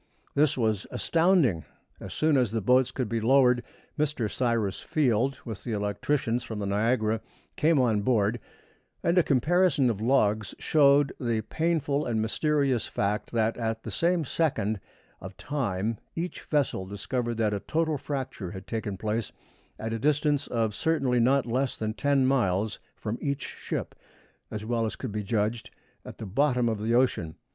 This was astounding. As soon as the boats could be lowered, Mr. Cyrus Field, with the electricians from the Niagara, came on board, and a comparison of logs showed the painful and mysterious fact that at the same second of time each vessel discovered that a total fracture had taken place at a distance of certainly not less than ten miles from each ship, as well as could be judged, at the bottom of the ocean.